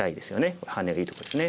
これハネがいいとこですね。